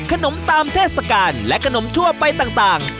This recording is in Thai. ตามเทศกาลและขนมทั่วไปต่าง